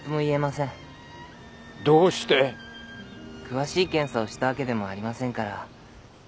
詳しい検査をしたわけでもありませんから。